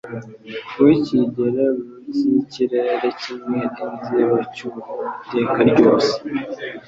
Ntukigere munsi yikirere kimwe, Inzibacyuho Iteka ryose.